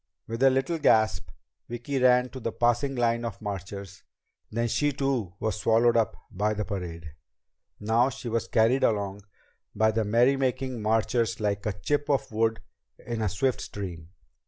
With a little gasp, Vicki ran to the passing line of marchers, and then she too was swallowed up by the parade. Now she was carried along by the merrymaking marchers like a chip of wood in a swift stream.